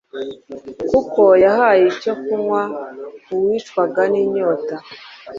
kuko yahaye icyo kunywa uwicwaga n'inyota